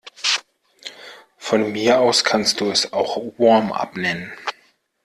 Von mir aus kannst du es auch Warmup nennen.